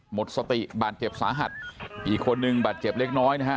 หมดสติบาดเจ็บสาหัสอีกคนนึงบาดเจ็บเล็กน้อยนะฮะ